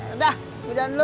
udah gua jalan dulu